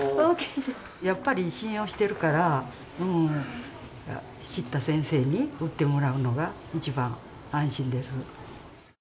やっぱり信用してるから、知った先生に打ってもらうのが一番安心です。